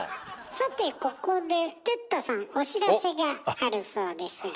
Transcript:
さてここで哲太さんお知らせがあるそうですが。